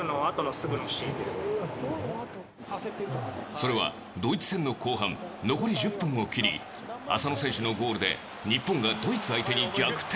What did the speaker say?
それは、ドイツ戦の後半残り１０分を切り浅野選手のゴールで日本がドイツ相手に逆転。